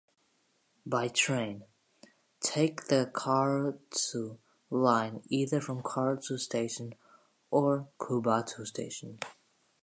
"By train:" Take the Karatsu Line either from Karatsu Station or Kubota Station.